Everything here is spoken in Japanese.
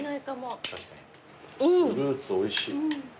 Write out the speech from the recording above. フルーツおいしい。